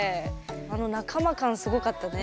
あの仲間感すごかったね。